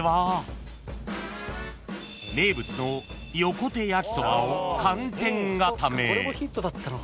［名物の横手やきそばを寒天固め］